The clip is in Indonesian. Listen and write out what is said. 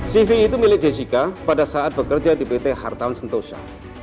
cv itu milik jessica pada saat bekerja di pt hartan sentosa